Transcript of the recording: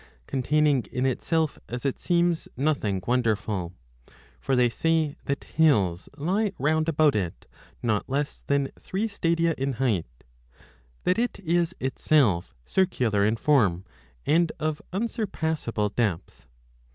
10: containing in itself, as it seems, nothing wonderful ; for they 15 say that hills lie round about it not less than three stadia in height ; that it is itself circular in form and of unsur passable depth.